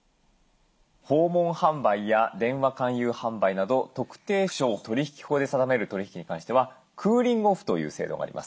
訪問販売や電話勧誘販売など特定商取引法で定める取り引きに関してはクーリング・オフという制度があります。